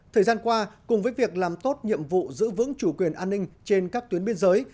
thời gian qua cùng với việc làm tốt nhiệm vụ giữ vững chủ quyền an ninh trên các tuyến biên giới